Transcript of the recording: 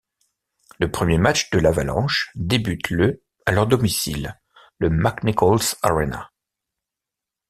Le premier match de l'Avalanche débute le à leur domicile, le McNichols Arena.